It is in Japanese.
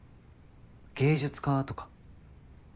芸術家とか？